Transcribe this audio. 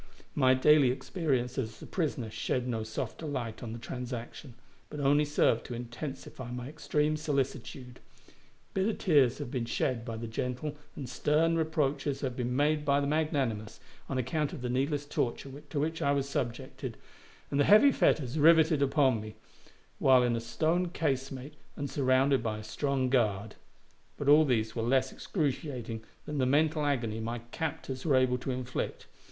My daily experience as a prisoner shed no softer light on the transaction, but only served to intensify my extreme solicitude. Bitter tears have been shed by the gentle, and stern reproaches have been made by the magnanimous, on account of the needless torture to which I was subjected, and the heavy fetters riveted upon me, while in a stone casemate and surrounded by a strong guard; but all these were less excruciating than the mental agony my captors were able to inflict.